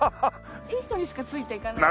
いい人にしかついていかないです。